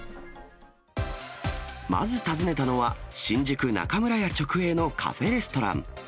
まず訪ねたのは、新宿中村屋直営のカフェレストラン。